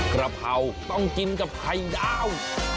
กระเพราต้องกินกับไข่ดาว